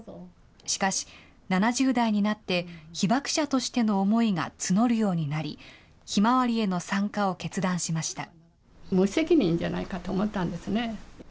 しかし、７０代になって、被爆者としての思いが募るようになり、ひまわりへの参加を決断しました。